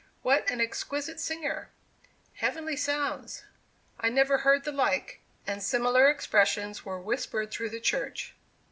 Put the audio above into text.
"What an exquisite singer!" "Heavenly sounds!" "I never heard the like!" and similar expressions were whispered through the church.